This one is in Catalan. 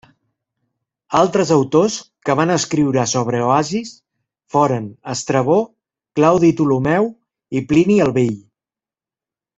Altres autors que van escriure sobre oasis foren Estrabó, Claudi Ptolemeu i Plini el Vell.